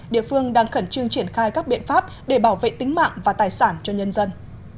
địa phương đang khẩn trương triển khai các biện pháp để bảo vệ tính mạng và tài sản cho nhân dân